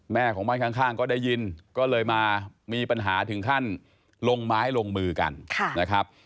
ของบ้านข้างก็ได้ยินก็เลยมามีปัญหาถึงขั้นลงไม้ลงมือกันนะครับ